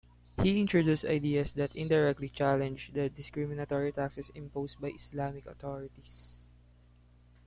He introduced ideas that indirectly challenged the discriminatory taxes imposed by Islamic authorities.